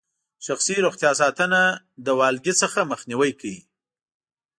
شخصي روغتیا ساتنه له والګي څخه مخنیوي کوي.